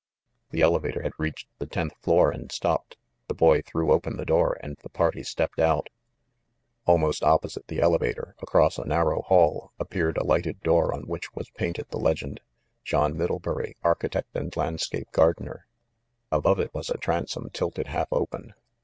The elevator had reached the tenth floor and stopped. The boy threw open the door and the party stepped out. 390 THE MASTER OF MYSTERIES Almost opposite the elevator, across a narrow hall, appeared a lighted door, on which was painted the legend: "John Middlebury, Architect and Landscape Gardener." Above it was a transom tilted half open.